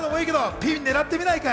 ピン、狙ってみないかい？